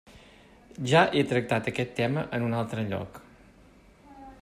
Ja he tractat aquest tema en un altre lloc.